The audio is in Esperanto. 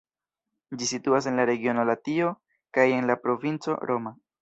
Ĝi situas en la regiono Latio kaj en la provinco Roma.